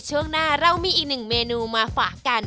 ช่วงหน้าเรามีอีกหนึ่งเมนูมาฝากกัน